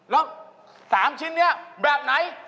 แล้ว๓ชิ้นนี้แบบไหน